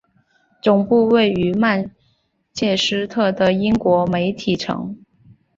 总部位于曼彻斯特的英国媒体城。